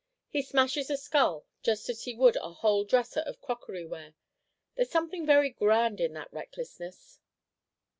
He smashes a skull just as he would a whole dresser of crockery ware! There's something very grand in that recklessness."